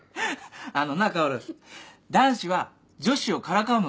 あのな薫男子は女子をからかうのが癖なの。